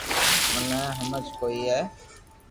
مني ھمج ڪوئي ّئي